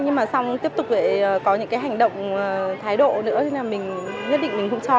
nhưng mà xong tiếp tục lại có những cái hành động thái độ nữa thì mình nhất định mình không cho